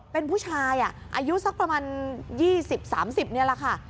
เป็นผู้ชายอายุสักประมาณ๒๐๓๐นี่แหละค่ะ